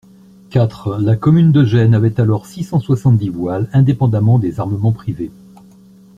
quatre La commune de Gênes avait alors six cent soixante-dix voiles indépendamment des armements privés.